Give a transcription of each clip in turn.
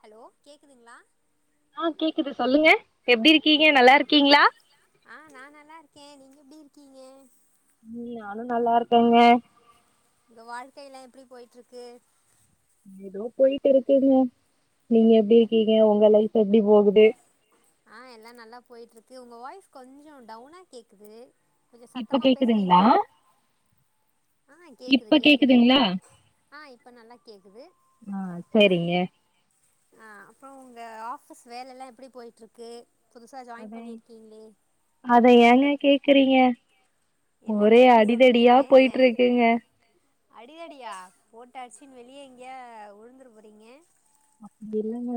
Hello கேக்குதுங்களா ஆ கேக்குது சொல்லுங்க எப்டி இருக்கீங்க நல்லா இருக்கீங்களா ஆ நா நல்லா இருக்க நீங்க எப்டி இருக்கீங்க ம் நானு நல்லா இருக்கங்க உங்க வாழ்க்கய எல்லா எப்டி போய்ட்டு இருக்கு ஏதோ போயிட்டு இருக்குங்க நீங்க எப்டி இருக்கீங்க உங்க லைஃப் எப்டி போகுது ஆ எல்லா நல்லா போயிட்டு இருக்கு உங்க வாய்ஸ் கொஞ்ச டவுனா கேக்குது கொஞ்ச இப்ப சத்தமா கேக்குதுங்களா பேசுறீங்களா ஆ கேக்குது இப்ப கேக்குது கேக்குதுங்களா ஆ இப்ப நல்லா கேக்குது ஆ சரிங்க அ அப்பற உங்க ஆஃபிஸ் வேல எல்லா எப்டி போய்ட்டு இருக்கு புதுசா அத ஜாயின் பண்ணிருக்கீங்களே அத ஏங்க கேக்குறீங்க என்னங்க ஒரே இப்டி அடிதடியா சொல்றீங்க போயிட்டு இருக்குங்க அடி த டியா போட்டாச்சி வெளியே எங்கயா உழுந்துர போறீங்க அப்டி இல்லங்க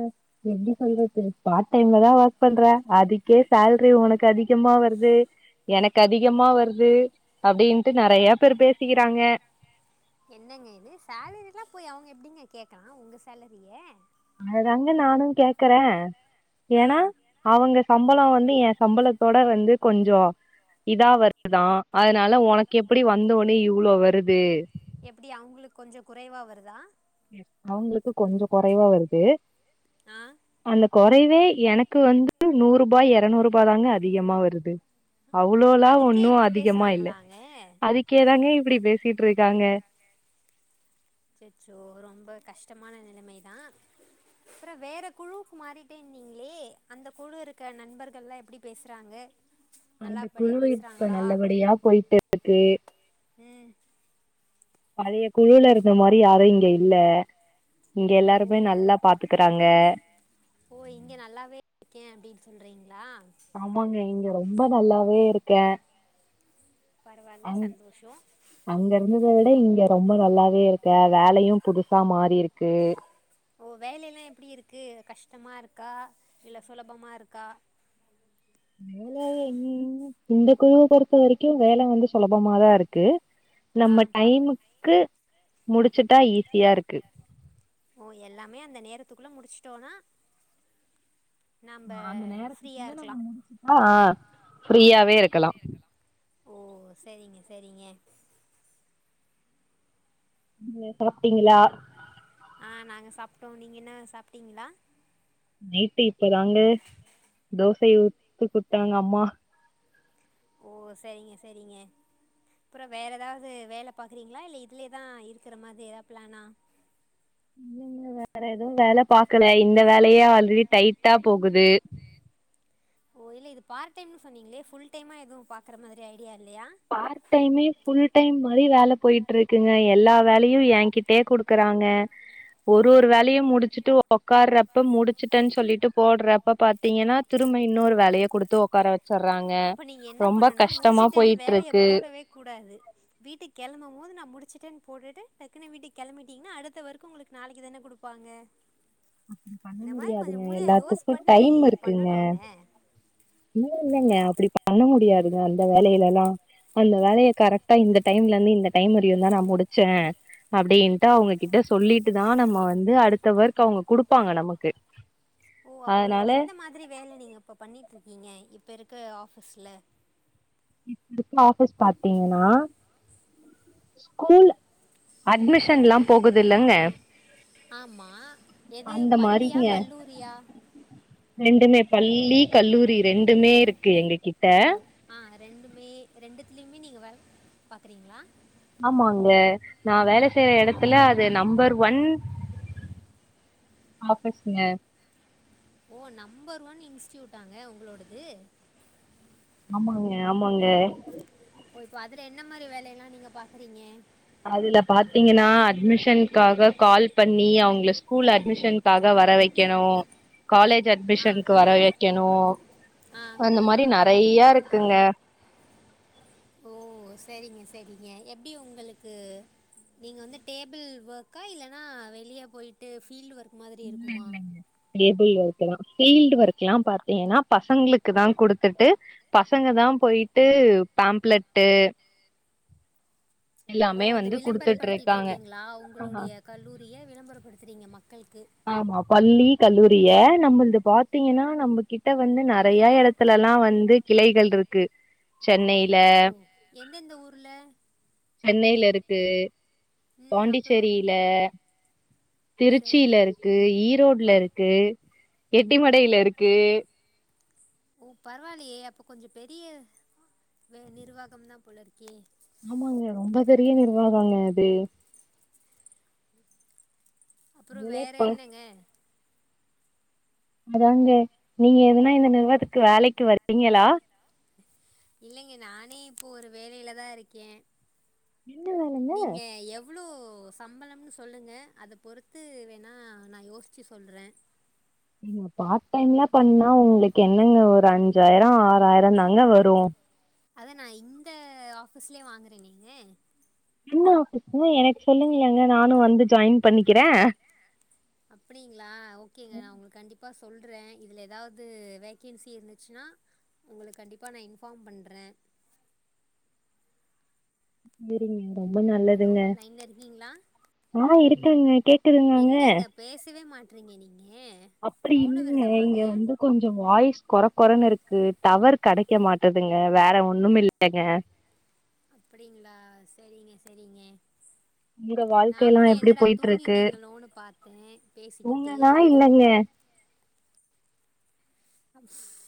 எப்டி சொல்றது பார்ட் டைம்ல தா ஒர் க் பண்ற அதுக்கே சாலரி உனக்கு அதிகமா வருது எனக்கு அதிகமா வருது அப்டின்ட்டு நெறைய பேர் பேசிக்கிறாங்க என்னங்க இது சேலரில்லா போய் அவங்க எபடிங்க கேட்கலா உங்க சேலரிய அததாங்க நானு கேக்குற ஆ ஏன்னா அவங்க சம்பள வந்து எய சம்பளத்தோட வந்து கொஞ்ச இதா வருதா அதனால உனக்கு எப்டி வந்த ஒடனே இவ்ளோ வருது எப்டி அவங்களுக்கு கொஞ்ச குறைவா வருதா அவங்களுக்கு கொஞ்ச குறைவா வருது ஆ அந்த குறைவே எனக்கு வந்து நூறு ரூபாய் இருநூறு ரூபாய் தாங்க அதிகமா வருது அவ்ளோல்லா அதுக்கே ஒன்னு இப்படி அதிகமா இல்ல பேசுறாங்களாங்க அதுக்கே தாங்க இப்டி பேசிட்டு இருக்காங்க அச்சச்சோ ரொம்ப கஷ்டமான நிலைமை தா [inaudible] அப்பற வேற குழுவுக்கு மாறிட்டன்னிங்களே அந்த குழு இருக்கிற நண்பர்கள்லா எப்டி பேசுறாங்க அந்த நல்லபடியா குழுவு இப்ப பேசுறாங்களா நல்லபடியா போயிட்டு இருக்கு ம் பழைய குழுல இருக்கு இந்த மாதிரி யாரு இங்க இல்ல இங்க ஓ எல்லாருமே நல்லா பாத்துக்கறாங்க ஓ இங்க நல்லாவே இருக்க அப்டின்னு சொல்றீங்களா ஆமாங்க இங்க ரொம்ப நல்லாவே இருக்க பரவாயில்ல சந்தோஷ அங்க இருந்தத விட இங்க ரொம்ப நல்லாவே இருக்க வேலையு புதுசா மாறி இருக்கு ஓ வேலையெல்லா எப்டி இருக்கு கஷ்டமாக இருக்கா இல்ல சுலபமாக இருக்கா வேலையன் இந்த குழுவ பொறுத்த வரைக்கும் வேல வந்து சுலபமாதா இருக்கு ஆ நம்ம டைமுக்கு முடிச்சுட்டா ஈஸியா இருக்கு ஓ எல்லாமே அந்த நேரத்துக்குள்ள முடிச்சுட்டோனா நம்ம ஆஹ் அந்த ஃப்ரீயா நேரத்துக்குள்ள நம்ம இருக்கலா முடிச்சுட்டா ஃப்ரீயாவே இருக்கலாம் ஓ சேரிங்க சேரிங்க நீங்க சாப்டீங்களா ஆ நாங்க சாப்ட்டோ நீங்க என்ன சாப்ட்டீங்களா நைட்டு இப்பதாங்க தோசைய உத்து குத்தாங்க அம்மா ஓ சரிங்க சரிங்க அப்பற வேற எதாவது வேல பாக்குறீங்களா இல்ல இதுலயேதா இருக்கிற மாதிரி எதா பிளான்னா இல்லிங்க வேற எதுவு வேல பாக்கலை இந்த வேலையே ஆல்ரெடி டைட்டா போகுது ஓ இல்ல இது பார்ட் டைம்ன்னு சொன்னீங்களே புல் டைம்மா எது பாக்கற மாதிரி ஐடியா இல்லையா பார்ட் டைமே ஃபுல் டைம் மாதிரி வேல போயிட் ருக்குங்க எல்லா வேலையு ஏங் கிட்டே குடுக்கறாங்க ஒரு ஒரு வேலையையும் முடுச்சுட்டு உக்காற்றப்ப முடிச்சுட்டேன் சொல்லிட்டு போற்றப்ப பாத்தீங்கன்னா திரும்ப இன்னொரு வேலைய குடுத்து உட்கார வச்சற்றாங்க அப்ப நீங்க என்ன ரொம்ப பண்ணணும் கஷ்டமா போயி முடிச்சுட்டேன்னு வேலைய போடவே கூடாது வீட்டுக் கெளம்பும் போது நா முடிச்சிட்டேன் போட்டுட்டு டக்குனு வீட்டுக் கிளம்பிட்டீங்ன்னா அடுத்த ஒர்க்கு உங்களுக் நாளைக்கு தானே குடுப்பாங்க பண்ண இந்த மாரி கொஞ்ச முடியாதுங்க மூலைய யோஸ் எல்லாத்துக்கு பண்ணி டைம் இருக்குங்க பண்ணனுங்க இல்ல இல்லைங்க அப்படி பண்ண முடியாதுக அந்த வேலையில எல்லா அந்த வேலைய கரெக்ட்டா இந்த டைம்ல இந்து இந்த டைம் வரையு தா நா முடிச்சே அப்படின்ட்டு அவங்ககிட்ட சொல்லிட்டுதா நம்ம வந்து அடுத்த ஒர்க் அவங்க கு டுப்பாங்க நமக்கு ஓ அப்போ அதனால உங்களுக்கு எந்த மாதிரி வேல நீங்க இப்போ பண்ணிட்ருக்கீங்க இப்ப இருக்க ஆஃபீஸ்ல இப்ப இருக்க ஆஃபீஸ் பாத்தீங்கன்னா ஸ்கூல் அட்மிஷன் எல்லா போகுதல்லங்க ஆம்மா எது பள்ளியா மாரிங்க கல்லூரியா ரெண்டுமே பள்ளி கல்லூரி ரெண்டுமே இருக்கு எங்க கிட்ட ஓ ஆ ரெண்டுமே ரெண்டுத்துலையுமே நீங்க வே பாக்குறீங்களா ஆமாங்க நா வேல செய்யற எடத்துல அது நம்பர் ஒன் ஆமா பிரச்சன ஓ நம்பர் ஒன் இன்ஸ்டூட்டாங்க உங்களோடது ஆமாங்க ஆமாங்க ஓ இப்போ அதுல என்ன மாரி வேலையெல்லா நீங்க பாக்குறீங்க அதுல பாத்தீங்கன்னா அட்மிஷன்காக கால் பண்ணி அவங்கல ஸ்கூல்ல அட்மிஷன் காக வர வைக்கணு காலேஜ் ஆ அட்மிஷன்கு வர வெக்கணு ஆ அந்த மாரி நெறையா இருக்குங்க ஓ செரிங்க செரிங்க எப்டி உங்களுக்கு நீங்க வந்து டேபிள் ஒர்க்கா இல்லன்னா வெளியே போய்ட்டு ஃபீல்ட் ஒர்க் மாதிரி இல்ல இருக்குமா இல்லைங்க டேபிள் ஒர்க்குதா பீல்டு ஒர்க் எல்லா பாத்தீங்கன்னா பசங்களுக்கு தா குடுத்துட்டு பசங்க தா போய்ட்டு பேம்ப்லெட்டு ஓ எல்லாமே அந்த வந்து குடுத்துட்டு இருக்காங்க விளம்பரப்படுத்திட்ரிக்கீங்களா ஆ உங்களுடைய கல்லூரிய விளம்பரப்படுத்துறீங்க மக்கள்க்கு ஆமா பள்ளி கல்லூரிய நம்பல்து பாத்தீங்கன்னா நம்ப கிட்ட வந்து நறைய எடத்துல எல்லா வந்து கிளைகள் இருக்கு சென்னையில ஓ எந்தெந்த ஊரில் சென்னைல இருக்கு ம் அப்புறம் பாண்டிச்சேரியிலே சரி திருச்சில்ல இருக்கு ஈரோட்ல இருக்கு எட்டிமடையில இருக்கு ஓ பரவால்லையே அப்ப கொஞ்ச பெரிய வே நிர்வாகம் தா போலருக்கே ஆமாங்க ரொம்ப பெரிய நிர்வாகங்க அது அப்புறோ அதுலே வேற ப என்னங்க அதாங்க நீங்க எதுனா இந்த நிறுவாத்துக்கு வேலைக்கு வர்றீங்களா இல்லைங்க நானே இப்போ ஒரு வேலைல தா இருக்கே என்ன வேல நீங்க எவ் ளோ சம்பளம்னு சொல்லுங்க அத பொறுத்து வேணா நா யோசிச்சு சொல்றே [inaudible] பார்ட் டைம்ல பண்ணா உங்களுக்கு என்னங்க ஒரு அஞ்சாய்ரோ ஆறாய்ரோ தாங்க வரு அத நா இந்த ஆபீஸ்லே வாங்கறனேங்க என்ன ஆபீஸ்ங்க எனக் சொல்லுங்கலேங்க நானு வந்து ஜாயின் பண்ணிக்கிறே அப்டிங்ளா ஓகேங்க நா உங்களுக்கு கண்டிப்பா சொல்றே இதுல எதாவ்து வேக்கென்சி இருந்துச்சுன்னா உங்களுக் கண்டிப்பாக நா இன்ஃபாம் பண்றே சேரிங்க ரொம்ப ஹலோ நல்லதுங்க லைன்ல இருக்கீங்களா ஆ இருக்கங்க கேக்குதுங்காங்க என்னங்க பேசவே மாட்றீங்க நீங்கே அப்படி இல்லிங்க இங்க வந்து கொஞ்சோ வாய்ஸ் கொற கொறன் இருக்கு டவர் கடைக்க மாட் டுதுங்க வேற ஒன்னும் இல்லங்க அப்டிங்ளா செரிங்க செரிங்க உங்க நா வாழ்க்கைல்லா கூட எப்டி என்னடா போயிட்டு இருக்கு தூங்கிட்டீங்ளோன் பாத்தே பேசிக்கிட்டே உங்கலா இல்லங்க [unintelligible]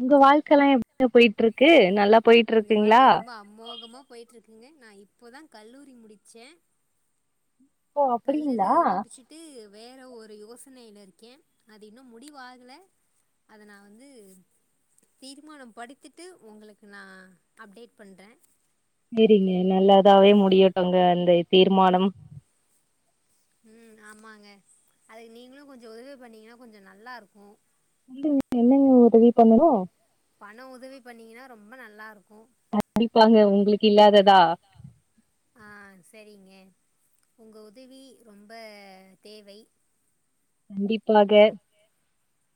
உங்க வாழ்க்கல்லா எப் [inaudible] ங்க போயிட்ருக்கு நல்லாப் எங்க வாழ்க்க ரொம்ப அமோகமா போய்ட்ருக்குங்க நா இப்போதா கல்லூரி முடிச்சே ஓ அப்டிங்களா கல்லூரு புடிச்சிட் டு வேற ஒரு யோசனைல இருக்கே அது இன்னு முடிவாகல அத நா வந்து தீர்மானம் படுத்திட்டு உங்களுக்கு நா அப்டேட் பண்றே சேரிங்க நல்லதாவே முடியட்டுங்க அந்த தீர்மானம் ம் ஆமாங்க அதுக்கு நீங்களு கொஞ்ச உதவி பண்ணிங்கனா கொஞ்ச நல்லாருக்கு சொல்லுங்க என்னங்க உதவி பண்ணணு பண உதவி பண்ணீங்கனா ரொம்ப நல்லா இருக்கு கண்டிப்பாங்க உங்களுக்கில்லாத தா ஆ சேரிங்க உங்க உதவி ரொம்ப தேவை கண்டிப்பாக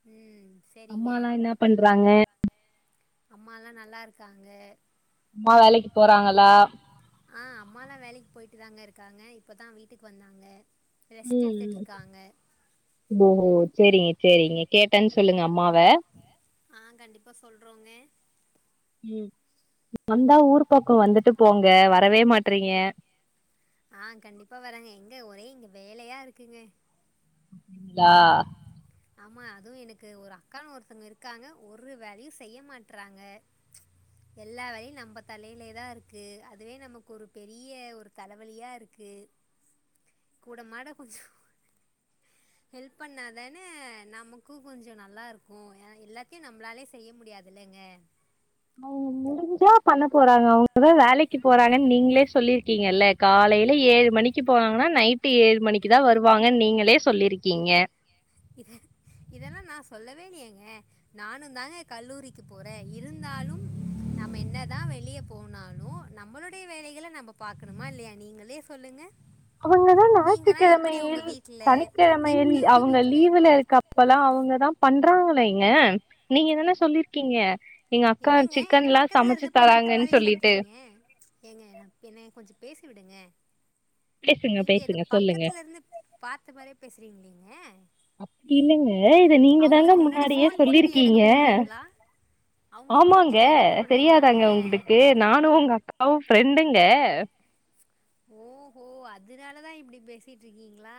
ம் சரிங்க அம்மாலா என்னா பண்றாங்க அம்மால்லா நல்லா இருக்காங்க அம்மா வேலைக்கு போறாங்களா ஆ அம்மாலா வேலைக் போய்ட்டு தாங்க இருக்காங்க இப்பதா வீட்டுக்கு வந்தாங்க ரெஸ்ட் ம் எடுத்துட்ருக்காங்க ம் ஓ சேரிங்க சேரிங்க கேட்டன் சொல்லுங்க அம்மாவ ஆ கண்டிப்பா சொல்றோங்க ம் வந்தா ஊர் பக்கோ வந்துட்டு போங்க வரவே மாட்றீங்க ஆ கண்டிப்பா வரங்க எங்க ஒரே இங்க வேலையா இருக்குங்க லா ஆமா அதுவு எனக்கு ஒரு அக்கானு ஒருத்தங்க இருக்காங்க ஒரு வேலையு செய்ய மாட்றாங்க எல்லா வேலையில் நம்ப தலையிலே தா இருக்கு அதுவே நமக்கொரு பெரிய ஒரு தலவலியா இருக்கு கூட மாட கொஞ்சோ ஹெல்ப் பண்ணா தா ன நமக்கு கொஞ்சோ நல்லாருக்கு எ எல்லாத்தையு நம்பளாலே செய்ய முடியாதில்லங்க மு முடிஞ்சா பண்ண போறாங்க அவங்கதா வேலைக்கு போறாங்கன் நீங்ளே சொல்லிருக்கீங்கல்ல காலைல ஏழு மணிக்கு போனாங்கன்னா நைட்டு ஏழு மணிக்கு தா வருவாங்கன் நீங்களே சொல்லிருக்கீங்க இத இதெல்லா நா சொல்லவே இல்லயேங்க நானுந்தாங்க கல்லூரிக்கு போற இருந்தாலும் நம்ம என்னதா வெளிய போனாலு நம்மளுடைய வேலைகள நம்ப பாக்கணுமா இல்லையாங் நீங்களே சொல்லுங்க அவங்கதா ஞாயிற்றுக்கிழமையில் வீட்டில் நீங்கள் சனிக்கிழமையில் எப்படி உங்கள் அவுங்க வீட்டில் லீவுல இருக்கப் ப்பலா அவங்கதா பண்றாங்களேங்க நீங்கதான சொல்லிருக்கீங்க என்னங்க பக்கத்துலருந்து பாத்த மாரி சொல்லிட்டு. சொல்றீங்க ஏங்க பின்ன கொஞ்ச பேச விடுங்க பேசுங்க, நீங்க எது பேசுங்க. சொல்லுங்க. பக்கத்துல இருந்து பாத்த மாரியே பேசுறீங்கலேங்க அப்டி இல்லங்க இத நீங்க தாங்க முன்னாடி முன்னாடியே ஃபோன் போட்டுட்டு எனக்கு சொல்லிருக்கீங்க போடுறீங்களா அவங்களுக்கு போட்டு ஆமாங்க இப்போ எனக்கு போடுறீங்களாங்க தெரியாதாங்க உங்களுக்கு நானு உங்க அக்காவு ஃப்ரெண்டுங்க ஓ ஹோ அதனாலதா இப்டி பேசிட்டு இருக்கீங்களா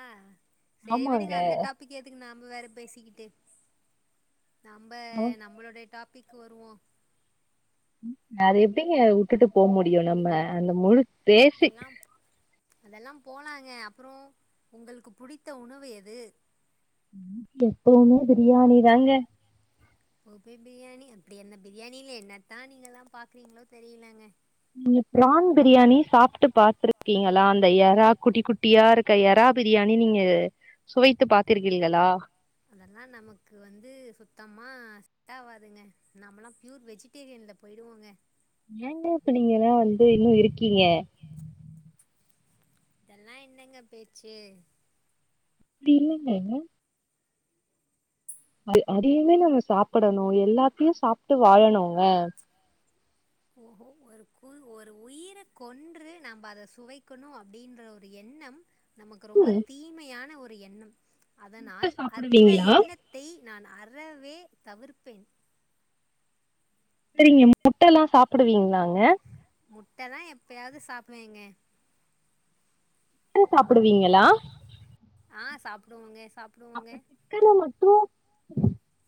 சரி ஆமாங்க விடுங்க அந்த டாப் பிக் எதுக்கு நம்ம வேற பேசிக்கிட்டு நம்ப நம்பளுடைய டாப் பிக்கு வருவோ அது எப்டிங்க உட்டுட்டு போ முடியு நம்ம அந்த முழு பேசி அதெல்லாம் அதெல்லா போலாங்க அப்புறோ உங்களுக்கு புடித்த உணவு எது ம் எப்பவுமே பிரியாணிதாங்க ஓபே பிரியாணி அப்டி அந்த பிரியாணில என்னத்தா நீங்கல்லா பாக்குறீங்களோ தெரிலங்க நீங்க ப்ரான் பிரியாணி சாப்ட்டு பாத்துருக்கீங்களா அந்த எறா குட்டி குட்டியா இருக் க எறா பிரியாணி நீங்க சுவைத்து பாத்திருக்கீங்களா அதெல்லா நமக்கு வந்து சுத்தமா செட் ஆவாதுங்க நம்மலா ப்யூர் வெஜி டேரியன்ல போயிடுவோங்க ஏங்க இப்ப நீங்கல்லா வந்து இன்னு இருக்கீங்க ங்க இதெல்லா என்னங்க பேச்சு அப்டி இல்லங்க அது அதையமே நம்ம சாப்பிடணு எல்லாத்தையு சாப்ட்டு வாழணோங்க ஓஹோ ஒரு கு ஒரு உயிர கொன்று நம்ப அத சுவைக்கணு அப்டின்ற ஒரு எண்ணம் நமக்கு ரொம்ப தீமையான ஒரு எண்ணம் முட்ட அதனால் அந்த சாப்டுவீங்களா எண்ண த்தை நான் அறவே தவிர்ப்பேன் சரிங்க முட்டைல்லா சாப்பிடுவீங்களாங்க முட்ட நா எப்பயாது சாப்டுவேங்க முட்ட சாப்பிடுவீங்களா ஆ சாப்டுவோங்க சாப்டுவோங்க முட்டைல மட்டு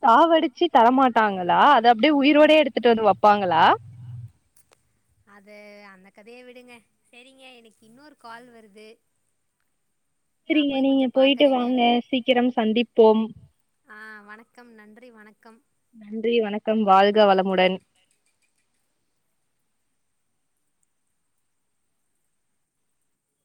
சாவடி ச்சி தரமாட்டாங்களா அத அப்டியே உயிரோடயே எடுத்துட்டு வந்து வப்பாங்களா அது அந்த கதைய விடுங்க சரிங்க எனக்கு இன்னொரு கால் வருது நா சரிங்க போய் நீங்க கொஞ்சோ போய்ட்டு பாக்கறேங்க வாங்க சீக்கிரம் சந்திப்போம் ஆ வணக்கம் நன்றி வணக்கம் நன்றி வணக்கம் வாழ்க வளமுடன்